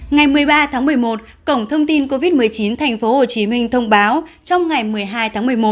ngày một mươi ba tháng một mươi một cổng thông tin covid một mươi chín tp hcm thông báo trong ngày một mươi hai tháng một mươi một